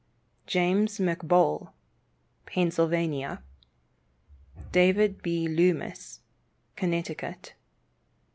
James McBoal, Pennsylvania. David B. Loomis, Connecticut.